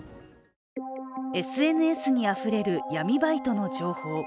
ＳＮＳにあふれる闇バイトの情報。